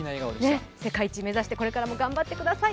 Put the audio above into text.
世界一目指してこれからも頑張ってください。